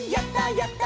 やった！